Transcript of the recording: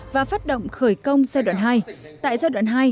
và phát động khởi công giai đoạn hai